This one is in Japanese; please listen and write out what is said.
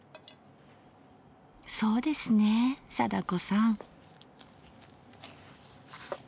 そうですねえ貞子さん。